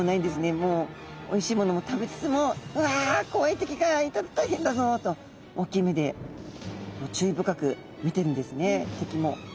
もうおいしいものも食べつつも「うわ怖い敵がいたら大変だぞ！」と大きい目で注意深く見てるんですね敵も。